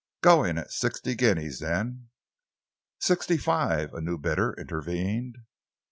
"Going at sixty guineas, then." "Sixty five," a new bidder intervened.